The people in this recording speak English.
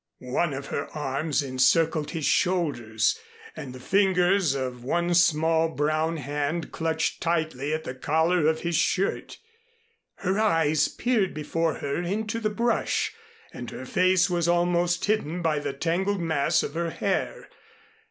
One of her arms encircled his shoulders and the fingers of one small brown hand clutched tightly at the collar of his shirt. Her eyes peered before her into the brush, and her face was almost hidden by the tangled mass of her hair.